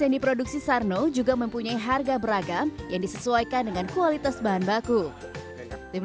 yang diproduksi sarno juga mempunyai harga beragam yang disesuaikan dengan kualitas bahan baku tim